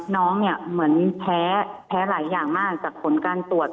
น้องเนี่ยเหมือนแพ้หลายอย่างมากจากผลการตรวจ